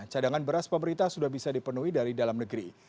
cadangan beras pemerintah sudah bisa dipenuhi dari dalam negeri